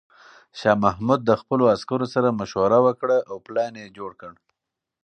شاه محمود د خپلو عسکرو سره مشوره وکړه او پلان یې جوړ کړ.